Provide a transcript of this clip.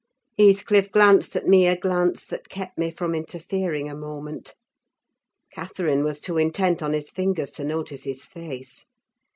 Heathcliff glanced at me a glance that kept me from interfering a moment. Catherine was too intent on his fingers to notice his face.